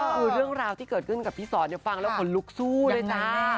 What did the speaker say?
คือเรื่องราวที่เกิดขึ้นกับพี่สอนฟังแล้วขนลุกสู้เลยจ้า